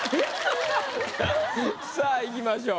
さあいきましょう。